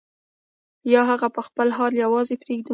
یا هغه په خپل حال یوازې پرېږدو.